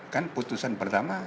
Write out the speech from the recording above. kan putusan pertama